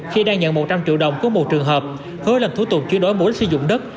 khi đang nhận một trăm linh triệu đồng của một trường hợp hứa làm thủ tục chuyên đổi mục đích sử dụng đất